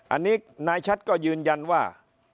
อันนี้นายชัดก็ยืนยันว่า